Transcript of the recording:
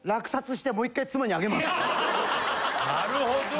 なるほど！